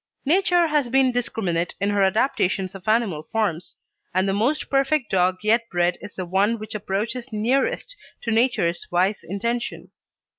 Nature has been discriminate in her adaptations of animal forms; and the most perfect dog yet bred is the one which approaches nearest to Nature's wise intention.